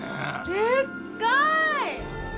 でっかい！